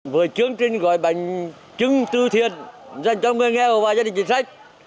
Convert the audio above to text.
vừa chương trình gọi bánh trưng tư thiện dành cho người nghèo và gia đình chính sách